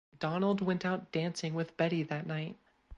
Donald went out dancing with Betty that night.